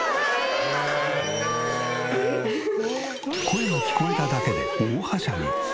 声が聞こえただけで大はしゃぎ。